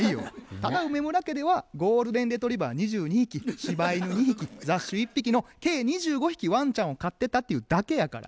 ただ梅村家ではゴールデンレトリバー２２匹しば犬２匹雑種１匹の計２５匹わんちゃんを飼ってたっていうだけやから。